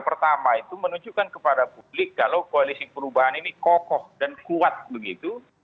pertama itu menunjukkan kepada publik kalau koalisi perubahan ini kokoh dan kuat begitu